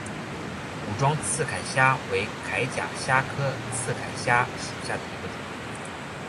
武装刺铠虾为铠甲虾科刺铠虾属下的一个种。